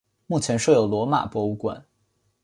目前设有罗马博物馆。